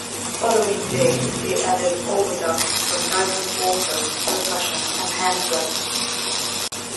The following day, they added overdubs, comprising vocals, percussion and handclaps.